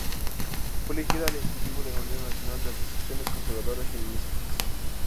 Fue elegida al ejecutivo de la Unión Nacional de Asociaciones Conservadoras y Unionistas.